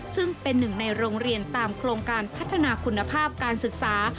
ซึ่งเป็นหนึ่งในโรงเรียนตามโครงการพัฒนาคุณภาพการศึกษา